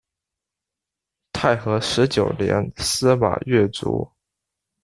太和十九年司马跃卒。